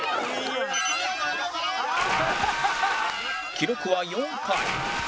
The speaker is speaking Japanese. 記録は４回